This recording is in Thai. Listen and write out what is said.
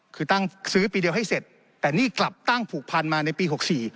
คือตั้งซื้อปีเดียวให้เสร็จแต่นี่กลับตั้งผูกพันมาในปี๖๔